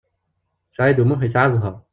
Saɛid U Muḥ yesɛa zzheṛ.